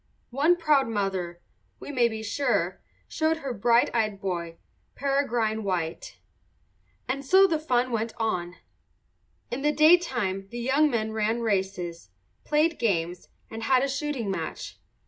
One proud mother, we may be sure, showed her bright eyed boy, Peregrine White. And so the fun went on. In the daytime the young men ran races, played games, and had a shooting match.